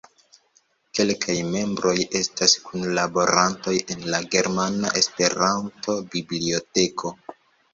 Kelkaj membroj estas kunlaborantoj en la Germana Esperanto-Biblioteko.